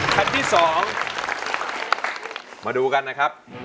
แผ่นที่๒มาดูกันนะครับ